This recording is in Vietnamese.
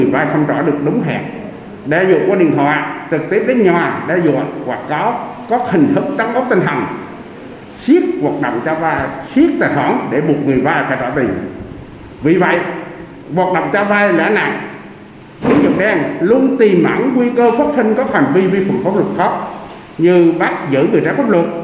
vì vậy hoạt động cho vai lãi nặng luôn tiềm ẩn quy cơ phát sinh các hành vi vi phạm pháp luật khác như bắt giữ người trái pháp luật